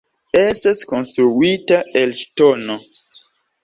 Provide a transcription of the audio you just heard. Estas konstruita el ŝtono.